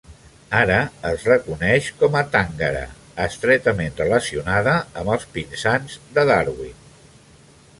Ara es reconeix com a tàngara, estretament relacionada amb els pinsans de Darwin.